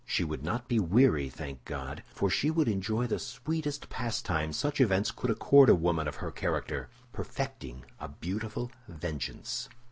She would not be weary, thank God! for she should enjoy the sweetest pastime such events could accord a woman of her character—perfecting a beautiful vengeance.